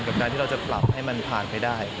กับการที่เราจะปรับให้มันผ่านไปได้